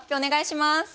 お願いします。